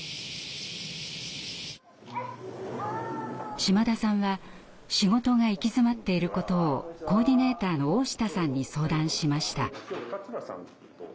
島田さんは仕事が行き詰まっていることをコーディネーターの大下さんに相談しました。